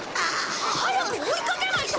早く追いかけないと！